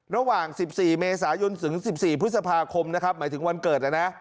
ระหว่างสิบสี่เมษายนถึงสิบสี่พฤษภาคมนะครับหมายถึงวันเกิดแล้วนะ